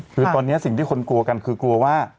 คือตอนนี้สิ่งที่คนกลัวกันคือกลัวว่า